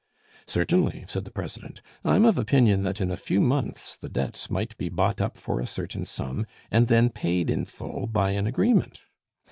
"Certainly," said the president. "I'm of opinion that in a few months the debts might be bought up for a certain sum, and then paid in full by an agreement.